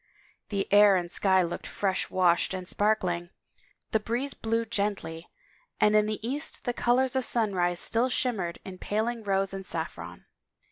The air and sky looked fresh washed and sparkling, the breeze blew gently, and in the east the colors of sunrise still shimmered in paling rose and saffron.